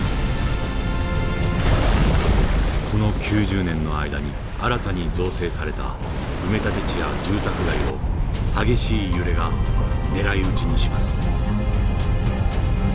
この９０年の間に新たに造成された埋め立て地や住宅街を激しい揺れが狙い撃ちにします。